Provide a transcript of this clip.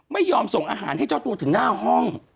ไม่ยอมส่งอาหารให้เจ้าตัวถึงหน้าห้อง